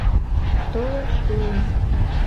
Толын шуын